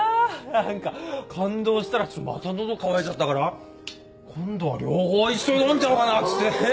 何か感動したらまた喉渇いちゃったから今度は両方一緒に飲んじゃおうかなっつってね。